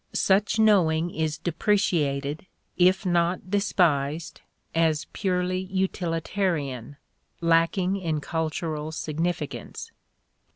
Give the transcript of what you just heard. Such knowing is depreciated, if not despised, as purely utilitarian, lacking in cultural significance.